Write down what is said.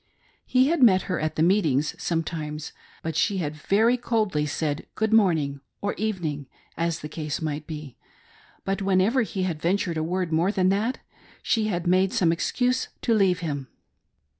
He had met her at the meetings sometimes, but she had very coldly said good morning, or evening, as the case might be ; but whenever he had ventured a word more than that, she had made some excuse to leave him.